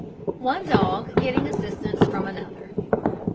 ONE DOG GETTING ASSISTANCE FROM ANOTHER.